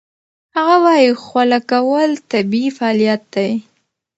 هغه وايي خوله کول طبیعي فعالیت دی.